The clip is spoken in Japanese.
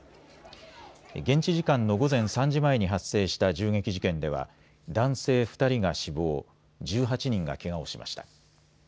現地時間の午前３時前に発生した銃撃事件では男性２人が死亡、１８人がけがをしました。